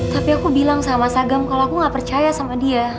tapi aku bilang sama mas agam kalau aku gak percaya sama dia